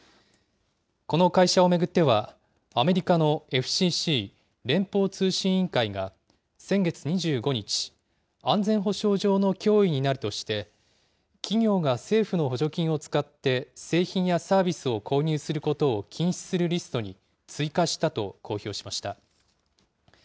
この会社を巡っては、アメリカのＦＣＣ・連邦通信委員会が、先月２５日、安全保障上の脅威になるとして、企業が政府の補助金を使って、製品やサービスを購入することを禁止するリストに追加したと公表しました。